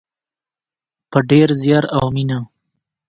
په ډیر زیار او مینه.